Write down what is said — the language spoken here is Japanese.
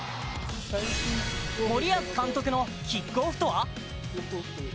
森保監督のキックオフとは？